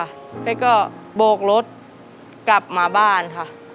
แล้วก็โบกรถกลับมาบ้านค่ะ